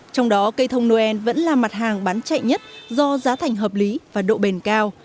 trong đó cây thông noel vẫn là mặt hàng bán chạy nhất do giá thành hợp lý và độ bền cao